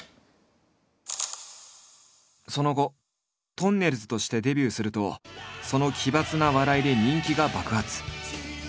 その後とんねるずとしてデビューするとその奇抜な笑いで人気が爆発。